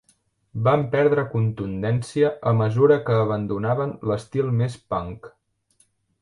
Van perdre contundència a mesura que abandonaven l'estil més punk.